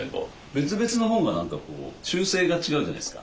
別々の方が何かこう習性が違うじゃないですか。